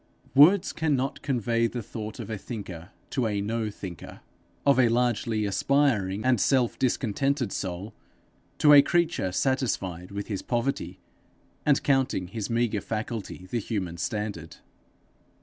Words cannot convey the thought of a thinker to a no thinker; of a largely aspiring and self discontented soul, to a creature satisfied with his poverty, and counting his meagre faculty the human standard.